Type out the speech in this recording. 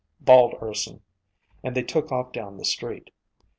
bawled Urson, and they took off down the street.